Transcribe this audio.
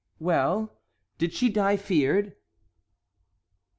"Well—did she die feared?"